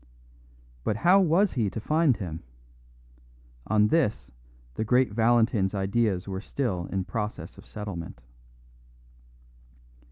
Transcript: But how was he to find him? On this the great Valentin's ideas were still in process of settlement.